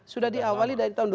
sudah diawali dari tahun dua ribu